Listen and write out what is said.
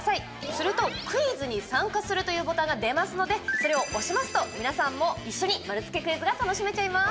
するとクイズに参加するというボタンが出ますのでそれを押しますと皆さんも一緒に丸つけクイズが楽しめちゃいます。